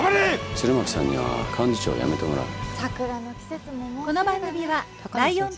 鶴巻さんには幹事長を辞めてもらう。